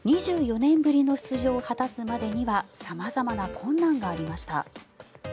２４年ぶりの出場を果たすまでには様々な困難がありました。